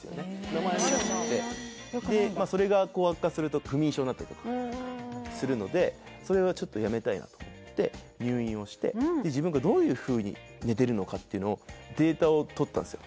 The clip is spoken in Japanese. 名前あるらしくてよくないんだでそれが悪化すると不眠症になったりとかするのでそれはちょっとやめたいなと思って入院をして自分がどういうふうに寝てるのかっていうのをデータをとったんですよ